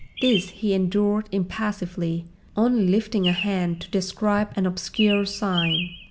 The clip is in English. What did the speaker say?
This he endured impassively, only lifting a hand to describe an obscure sign.